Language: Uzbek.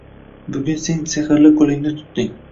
Bugun sen sehrli qo’lingni tutding